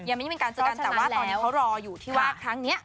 ยังไม่ได้เป็นการเจอกันแต่ว่าตอนนี้เขารออยู่ที่ว่าครั้งนี้